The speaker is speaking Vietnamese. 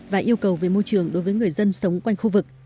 và yêu cầu về môi trường đối với người dân sống quanh khu vực